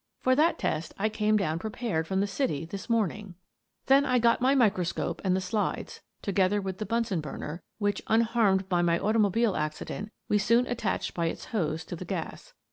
For that test I came down prepared from the city this morn mg. Then I got out my microscope and the slides, to gether with the Bunsen burner, which, unharmed by my automobile accident, we soon attached by its hose to the gas.